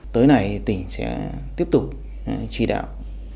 tới này tỉnh sẽ tiếp tục truy đạo